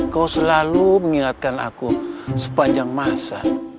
kau selalu mengingatkan aku sepanjang masa